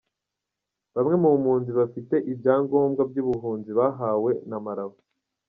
Bamwe mu mpunzi bafite ibya ngombwa by’ubuhunzi bahawe na Malawi.